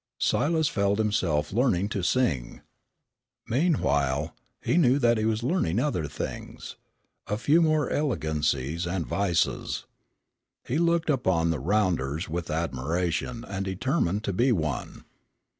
Silas felt himself learning to sing. Meanwhile, he knew that he was learning other things a few more elegancies and vices. He looked upon the "rounders" with admiration and determined to be one.